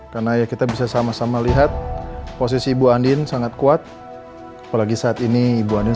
karena ya kita bisa sama sama lihat posisi ibu andin sangat kuat apalagi saat ini ibu andin